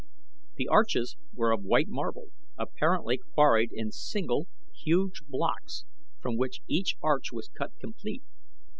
The arches were of white marble, apparently quarried in single, huge blocks from which each arch was cut complete.